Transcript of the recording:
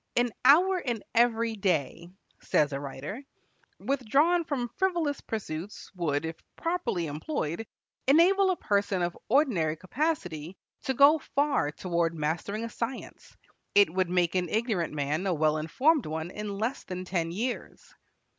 "An hour in every day," says a writer, "withdrawn from frivolous pursuits, would, if properly employed, enable a person of ordinary capacity to go far toward mastering a science. It would make an ignorant man a well informed one in less than ten years."